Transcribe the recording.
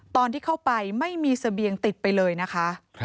ตอนที่เข้าไปไม่มีเสบียงติดไปเลยนะคะ